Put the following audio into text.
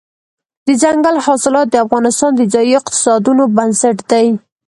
دځنګل حاصلات د افغانستان د ځایي اقتصادونو بنسټ دی.